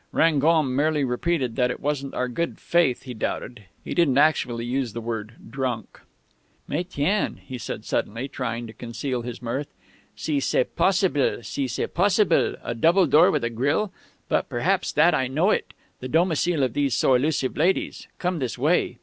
Rangon merely replied that it wasn't our good faith he doubted. He didn't actually use the word 'drunk.'... "'Mais tiens,' he said suddenly, trying to conceal his mirth. 'Si c'est possible... si c'est possible... a double door with a grille? But perhaps that I know it, the domicile of these so elusive ladies.... Come this way.'